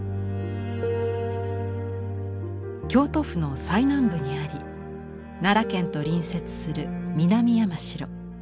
京都府の最南部にあり奈良県と隣接する南山城。